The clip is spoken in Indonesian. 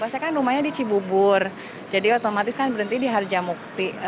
saya kan rumahnya di cibubur jadi otomatis kan berhenti di harjamukti